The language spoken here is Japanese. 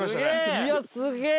いやすげえ！